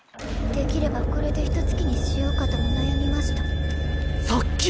できればこれでひと突きにしようかとも悩みました。